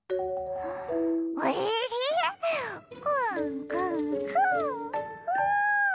くんくんくんくん！